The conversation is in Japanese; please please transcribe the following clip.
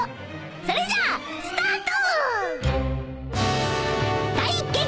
それじゃあスタート！